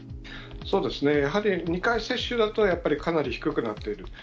そうですね、やはり２回接種だと、やっぱりかなり低くなっている。